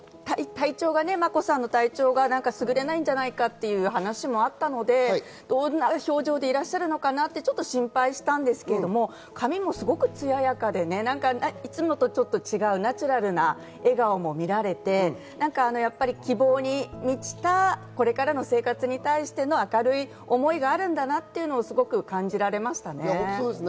眞子さんの体調がすぐれないんじゃないかって話もあったので、どんな表情でいらっしゃるのかなってちょっと心配したんですけれど、髪もすごく艶やかで、いつもとちょっと違うナチュラルな笑顔も見られてやっぱり希望に満ちたこれからの生活に対しての明るい思いがあるんだなっていうのをすごく感じられましたね。